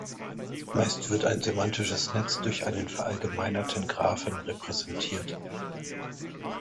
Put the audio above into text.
Meist wird ein semantisches Netz durch einen verallgemeinerten Graphen repräsentiert.